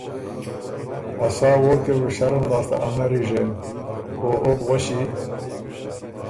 ا سا ووړکئ بُو ݭرُم لاسته ا نری ژېن او او بو غؤݭی۔